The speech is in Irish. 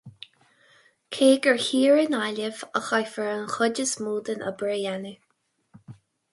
Cé gur thiar i nGaillimh a chaithfear an chuid is mó den obair a dhéanamh.